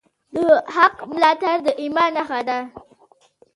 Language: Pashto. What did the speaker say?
د حق ملاتړ د ایمان نښه ده.